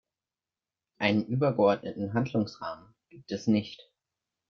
Einen übergeordneten Handlungsrahmen gibt es nicht.